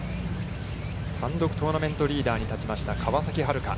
単独トーナメントリーダーに立ちました川崎春花。